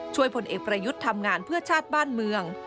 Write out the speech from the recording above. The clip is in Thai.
พลเอกประยุทธ์ทำงานเพื่อชาติบ้านเมือง